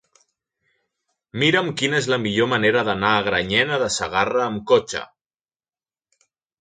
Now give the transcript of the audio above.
Mira'm quina és la millor manera d'anar a Granyena de Segarra amb cotxe.